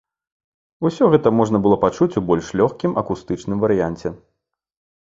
Усё гэта можна было пачуць у больш лёгкім акустычным варыянце.